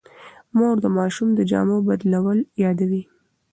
مور د ماشوم د جامو بدلول یادوي.